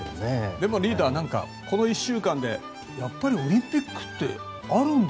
でもリーダーこの１週間でやっぱりオリンピックってあるんだ。